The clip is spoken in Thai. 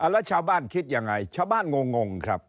แล้วชาวบ้านคิดยังไงชาวบ้านงงครับ